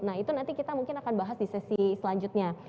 nah itu nanti kita mungkin akan bahas di sesi selanjutnya